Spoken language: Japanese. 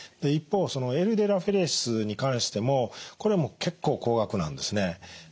一方ＬＤＬアフェレシスに関してもこれも結構高額なんですね。